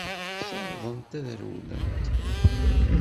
Ssawḍent ad rewlent.